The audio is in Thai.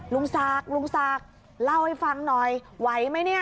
ลุงศักดิ์ลุงศักดิ์เล่าให้ฟังหน่อยไหวไหมเนี่ย